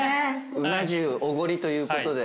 うな重おごりということで。